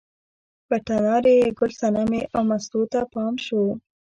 په تنار یې ګل صنمې او مستو ته پام شو.